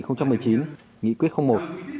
nghị quyết không một